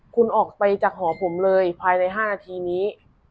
คุณออกไปจากหอผมเลยภายใน๕นาทีนี้